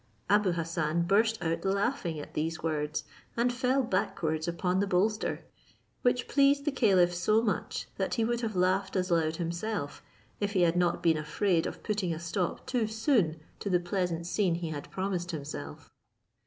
Abou Hassan burst out laughing at these words, and fell backwards upon the bolster, which pleased the caliph so much that he would have laughed as loud himself, if he had not been afraid of putting a stop too soon to the pleasant scene he had promised himself.